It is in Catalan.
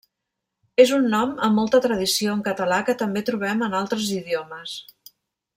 És un nom amb molta tradició en català que també trobem en altres idiomes.